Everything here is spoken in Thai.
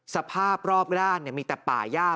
สภาพรอบด้านมีแต่ป่าย่า